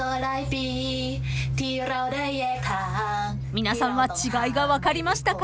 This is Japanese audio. ［皆さんは違いが分かりましたか？］